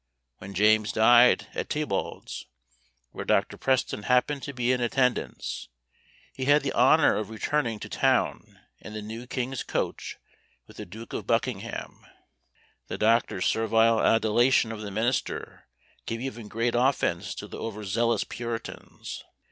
When James died at Theobalds, where Dr. Preston happened to be in attendance, he had the honour of returning to town in the new king's coach with the Duke of Buckingham. The doctor's servile adulation of the minister gave even great offence to the over zealous puritans.